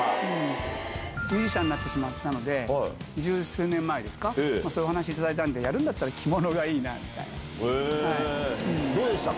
ミュージシャンになってしまったので、十数年前ですか、そういうお話を頂いたんで、やるんだったら着物がいいなみたどうでしたか？